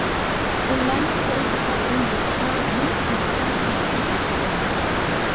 كۈنلەرنىڭ بىرىدە بۇ يۇرتقا يېڭى پادىشاھ تەختكە چىقىپتۇ.